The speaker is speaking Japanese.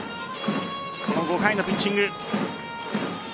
この５回のピッチング。